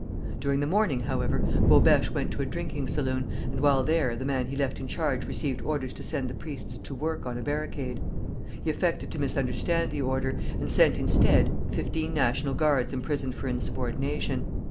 During the morning, however, Bobêche went to a drinking saloon, and while there the man he left in charge received orders to send the priests to work on a barricade. He affected to misunderstand the order, and sent, instead, fifteen National Guards imprisoned for insubordination.